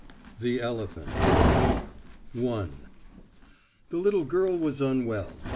X THE ELEPHANT I The little girl was unwell.